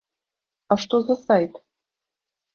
А што за сайт?